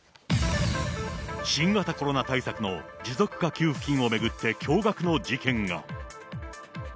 新型コロナ対策の持続化給付金を巡って、驚がくの事件が。